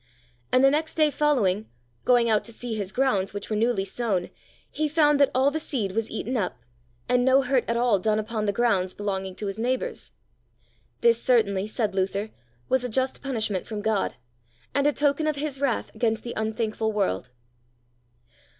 And the next day following, going out to see his grounds, which were newly sown, he found that all the seed was eaten up, and no hurt at all done upon the grounds belonging to his neighbours. This certainly, said Luther, was a just punishment from God, and a token of his wrath against the unthankful world.